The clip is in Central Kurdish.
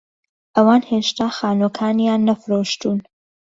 ئەوان هێشتا خانووەکانیان نەفرۆشتوون.